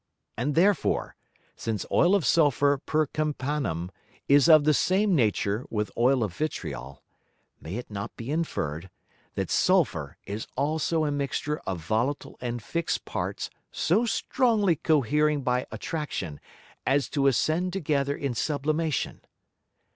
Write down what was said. And therefore, since Oil of Sulphur per Campanam is of the same Nature with Oil of Vitriol, may it not be inferred, that Sulphur is also a mixture of volatile and fix'd Parts so strongly cohering by Attraction, as to ascend together in Sublimation.